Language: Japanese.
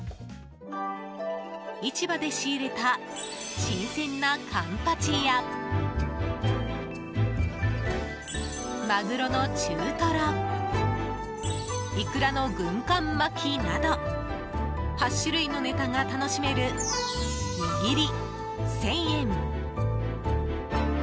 市場で仕入れた新鮮なカンパチやマグロの中トロイクラの軍艦巻きなど８種類のネタが楽しめるにぎり、１０００円。